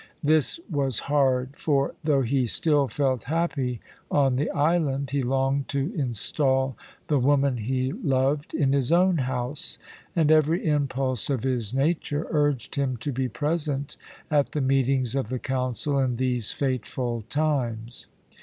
This was hard; for though he still felt happy on the island, he longed to install the woman he loved in his own house, and every impulse of his nature urged him to be present at the meetings of the Council in these fateful times.